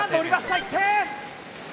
１点！